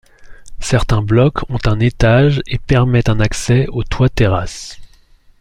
Certains blocs ont un étage et permettent un accès aux toits-terrasse.